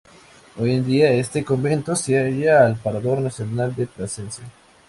Hoy en día en este convento se halla el Parador Nacional de Plasencia.